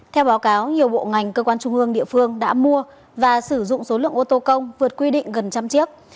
theo báo cáo nhiều bộ ngành cơ quan trung ương địa phương đã mua và sử dụng số lượng ô tô công vượt quy định gần trăm chiếc